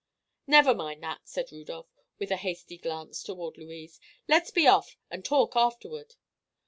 "Never mind that," said Rudolph, with a hasty glance toward Louise; "let's be off, and talk afterward."